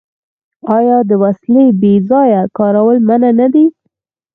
آیا د وسلې بې ځایه کارول منع نه دي؟